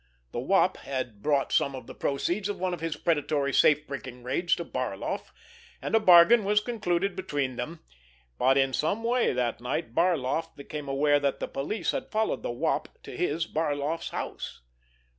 The Wop had brought some of the proceeds of one of his predatory safe breaking raids to Barloff, and a bargain was concluded between them; but in some way that night Barloff became aware that the police had followed the Wop to his, Barloff's, house.